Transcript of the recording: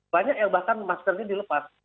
banyak ya bahkan maskernya dilepas